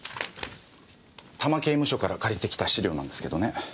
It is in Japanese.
多摩刑務所から借りてきた資料なんですけどね。